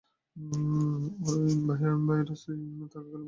Irwin viceroy থাকাকালে ভারতের রাজনৈতিক জীবনে প্রচন্ড আলোড়নের সৃষ্টি হয়।